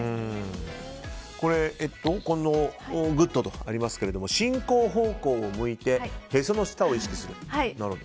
これ、グッドとありますが進行方向を向いてへその下を意識する。